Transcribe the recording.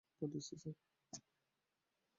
পাঠিয়েছি, স্যার।